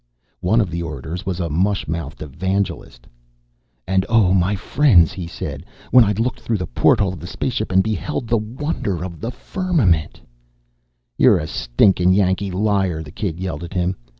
One of the orators was a mush mouthed evangelist. "And, oh, my friends," he said, "when I looked through the porthole of the spaceship and beheld the wonder of the Firmament " "You're a stinkin' Yankee liar!" the kid yelled at him.